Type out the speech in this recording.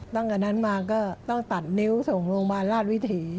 ตั้งแต่นั้นมาก็ต้องตัดนิ้วส่งโรงพยาบาลราชวิถี